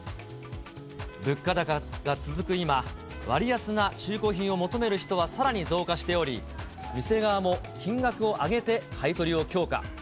物価高が続く今、割安な中古品を求める人はさらに増加しており、店側も金額を上げて買い取りを強化。